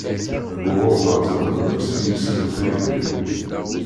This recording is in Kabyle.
Deg uɣerbaz alemmas i yessen tayri.